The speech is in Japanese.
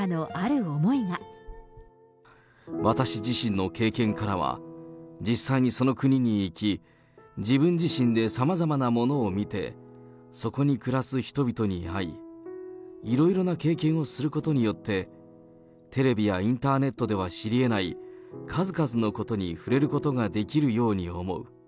私自身の経験からは、実際にその国に行き、自分自身でさまざまなものを見て、そこに暮らす人々に会い、いろいろな経験をすることによって、テレビやインターネットでは知りえない数々のことに触れることができるように思う。